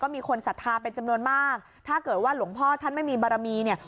มีคนศรัทธาเป็นจำนวนมากถ้าเกิดว่าหลวงพ่อท่านไม่มีบารมีเนี่ย